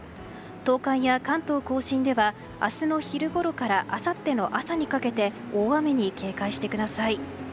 東海や関東・甲信では明日の昼ごろからあさっての朝にかけて大雨に警戒してください。